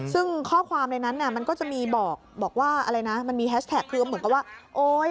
ซึ่งข้อความในนั้นน่ะมันก็จะมีบอกว่าอะไรนะมันมีแฮชแท็กคือเหมือนกับว่าโอ๊ย